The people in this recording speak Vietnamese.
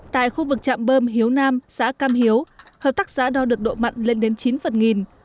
tại khu vực chạm bơm hiếu nam xã cam hiếu hợp tác xã đo được độ mặn lên đến chín phần nghìn